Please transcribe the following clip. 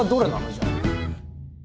じゃあ。